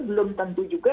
belum tentu juga